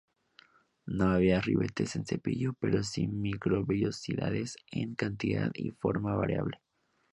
No hay ribetes en cepillo pero si microvellosidades en cantidad y forma variable.